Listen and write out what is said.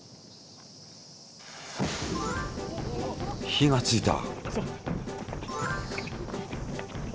火がついた！